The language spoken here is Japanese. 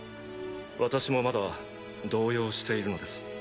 私もまだ動揺しているのです。